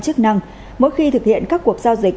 chức năng mỗi khi thực hiện các cuộc giao dịch